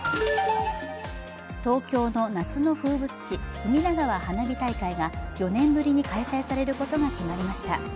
東京の夏の風物詩隅田川花火大会が４年ぶりに開催されることが決まりました。